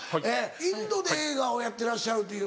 インドで映画をやってらっしゃるという。